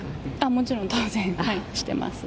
もちろん当然してます。